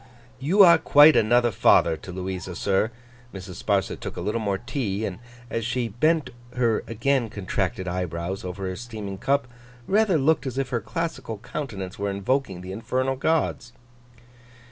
'You are quite another father to Louisa, sir.' Mrs. Sparsit took a little more tea; and, as she bent her again contracted eyebrows over her steaming cup, rather looked as if her classical countenance were invoking the infernal gods.